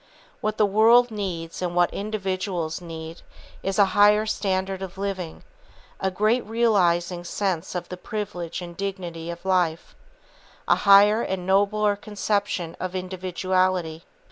What the world needs and what individuals need is a higher standard of living, a great realizing sense of the privilege and dignity of life, a higher and nobler conception of individuality.